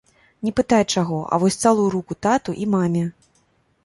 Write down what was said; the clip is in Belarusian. Не пытай чаго, а вось цалуй руку тату і маме!